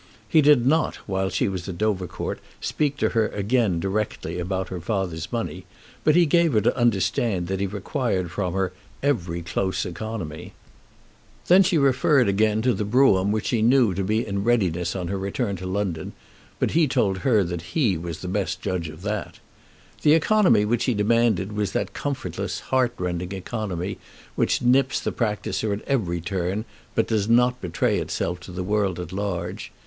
He did not while she was at Dovercourt speak to her again directly about her father's money, but he gave her to understand that he required from her very close economy. Then again she referred to the brougham which she knew was to be in readiness on her return to London; but he told her that he was the best judge of that. The economy which he demanded was that comfortless heart rending economy which nips the practiser at every turn, but does not betray itself to the world at large.